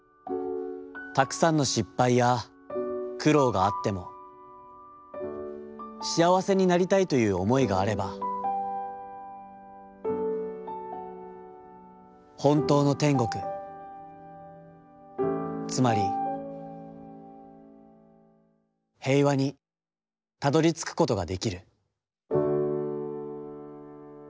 たくさんの失敗や苦労があっても、しあわせになりたいという思いがあれば、ほんとうの天国、つまり平和にたどり着くことができる』」。